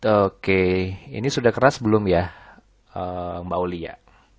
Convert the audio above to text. oke ini sudah keras belum ya mbak olia